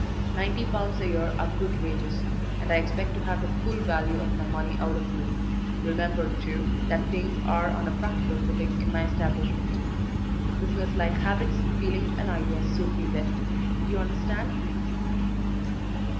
Ninety pounds a year are good wages, and I expect to have the full value of my money out of you; remember, too, that things are on a practical footing in my establishment business like habits, feelings, and ideas, suit me best. Do you understand?"